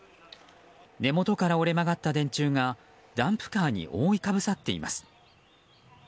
根元から折れ曲がった電柱がダンプカーに覆いかぶさっています。